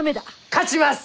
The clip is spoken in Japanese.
勝ちます！